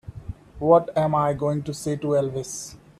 What am I going to say to Elvis?